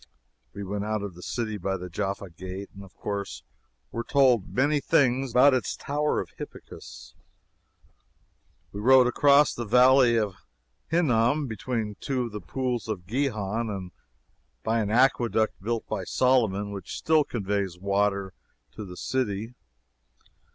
We went out of the city by the Jaffa gate, and of course were told many things about its Tower of Hippicus. We rode across the Valley of Hinnom, between two of the Pools of Gihon, and by an aqueduct built by Solomon, which still conveys water to the city.